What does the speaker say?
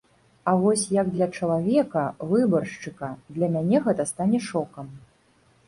А вось як для чалавека, выбаршчыка для мяне гэта стане шокам.